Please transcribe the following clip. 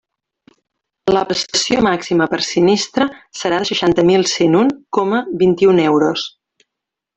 La prestació màxima per sinistre serà de seixanta mil cent un coma vint-i-un euros.